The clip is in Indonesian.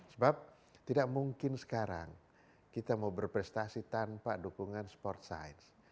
sebab tidak mungkin sekarang kita mau berprestasi tanpa dukungan sport science